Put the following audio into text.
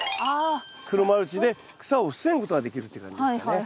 黒マルチで草を防ぐことができるっていう感じですかね。